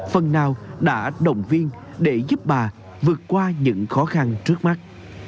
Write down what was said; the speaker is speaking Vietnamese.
phần nào đã động viên để giúp bà vượt qua những khó khăn trước mắt